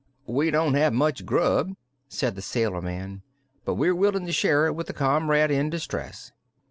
"We haven't much grub," said the sailor man, "but we're willin' to share it with a comrade in distress."